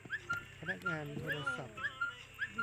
พนักงานโทรศัพท์